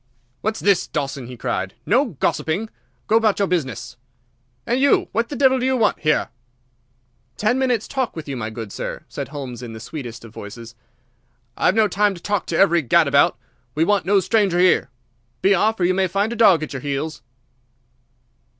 "What's this, Dawson!" he cried. "No gossiping! Go about your business! And you, what the devil do you want here?" "Ten minutes' talk with you, my good sir," said Holmes in the sweetest of voices. "I've no time to talk to every gadabout. We want no strangers here. Be off, or you may find a dog at your heels."